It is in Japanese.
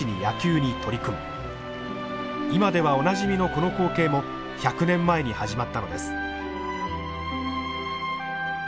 今ではおなじみのこの光景も１００年前に始まったのです。